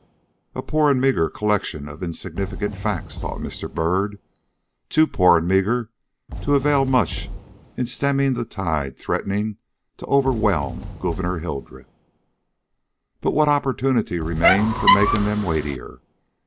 "A poor and meagre collection of insignificant facts," thought Mr. Byrd. "Too poor and meagre to avail much in stemming the tide threatening to overwhelm Gouverneur Hildreth." But what opportunity remained for making them weightier?